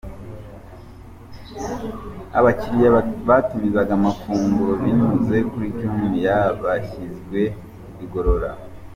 Abakiriya batumizaga amafunguro binyuze kuri Jumia bashyizwe igorora.